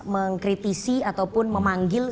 mengkritisi ataupun memanggil